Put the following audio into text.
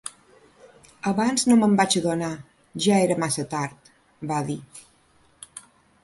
"Abans no me'n vaig adonar, ja era massa tard", va dir.